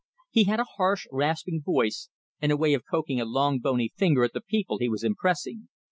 He had a harsh, rasping voice, and a way of poking a long bony finger at the people he was impressing.